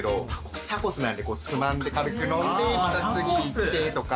タコスなんでつまんで軽く飲んでまた次行ってとか。